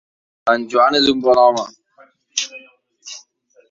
En Joan és un bon home.